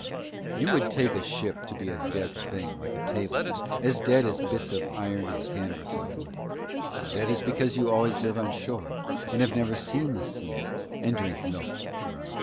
You would take a ship to be a dead thing like a table, as dead as bits of iron and canvas and wood. That is because you always live on shore, and have never seen the sea, and drink milk.